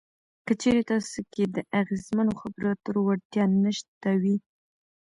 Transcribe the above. که چېرې تاسې کې د اغیزمنو خبرو اترو وړتیا نشته وي.